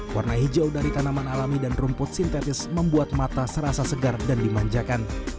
warna hijau dari tanaman alami dan rumput sintetis membuat mata serasa segar dan dimanjakan